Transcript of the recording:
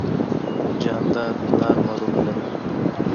جانداد د نرمه روح لري.